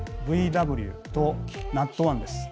「ＶＷ」と「ＮＡＴ１」です。